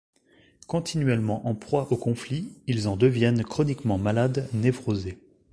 Continuellement en proie au conflit, ils en deviennent chroniquement malades, névrosés.